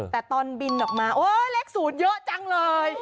แต่ตอนบินออกมาโอ๊ยเลข๐เยอะจังเลย